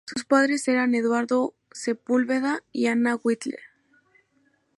Sus padres eran Eduardo Sepúlveda y Ana Whittle.